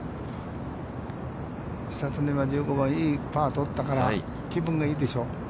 久常は１５番、いいパーを取ったから気分がいいでしょう。